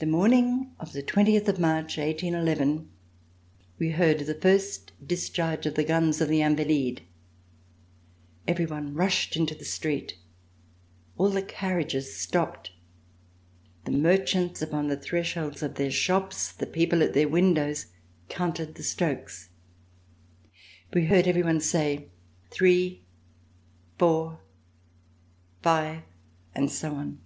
The morning of the twentieth of March, iSii, we heard the first discharge of the guns of the Invalides. Every one rushed into the street. All the carriages stopped; the merchants, upon the thresholds of their shops, the people at their windows, counted the strokes. We heard everyone say: "Three, four, five," and so on.